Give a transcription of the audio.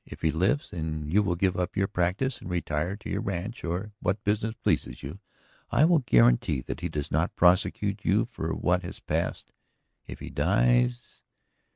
If he lives and you will give up your practice and retire to your ranch or what business pleases you, I will guarantee that he does not prosecute you for what has passed. If he dies